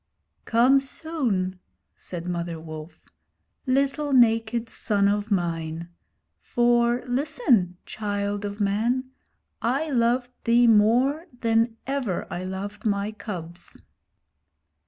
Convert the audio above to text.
'Come soon,' said Mother Wolf, 'little naked son of mine; for, listen, child of man, I loved thee more than ever I loved my cubs.'